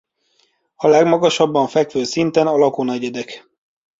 A legmagasabban fekvő szinten a lakónegyedek.